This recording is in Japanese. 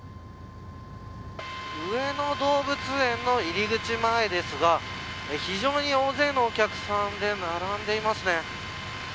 上野動物園の入り口前ですが非常に大勢のお客さんで並んでいますね。